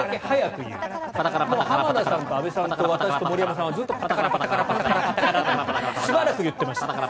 もう浜田さんと安部さんと私と森山さんはずっとパタカラとしばらく言ってました。